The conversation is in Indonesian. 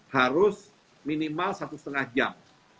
harus minimal satu setengah jam